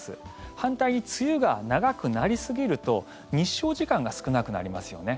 反対に梅雨が長くなりすぎると日照時間が少なくなりますよね。